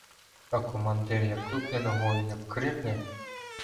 А командир як тупне ногою, як крикне: